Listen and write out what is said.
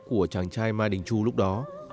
của chàng trai ma đình chu lúc đó